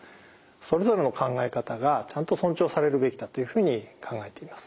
それぞれの考え方がちゃんと尊重されるべきだというふうに考えています。